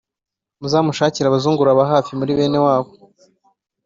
Muzamushakire abazungura ba hafi muri bene wabo